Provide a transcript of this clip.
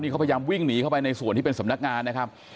เขาพยายามวิ่งหนีเข้าไปในส่วนที่เป็นสำนักงานนะครับ